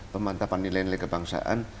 pemantapan nilai nilai kebangsaan